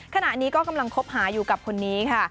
ขณะนี้ก็กำลังคบหาอยู่กับคนนี้ค่ะ